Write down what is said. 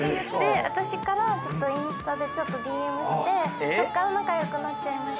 私からちょっとインスタでＤＭしてそこから仲良くなっちゃいました。